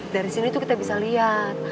dari sini itu kita bisa lihat